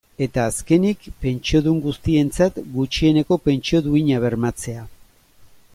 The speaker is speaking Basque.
Eta azkenik, pentsiodun guztientzat gutxieneko pentsio duina bermatzea.